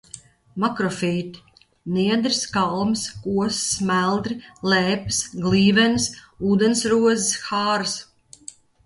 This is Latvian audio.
Makrofīti: niedres, kalmes, kosas, meldri, lēpes, glīvenes, ūdensrozes, hāras.